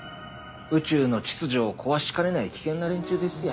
宇宙の秩序を壊しかねない危険な連中ですや。